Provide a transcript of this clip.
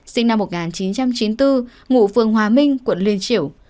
sinh năm một nghìn chín trăm chín mươi bốn ngụ phường hòa minh quận liên triểu